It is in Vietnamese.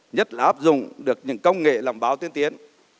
nhất là áp dụng được những công nghệ làm báo tiên tiến